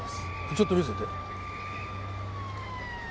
ちょっと見せて。